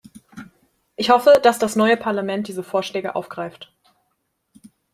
Ich hoffe, dass das neue Parlament diese Vorschläge aufgreift.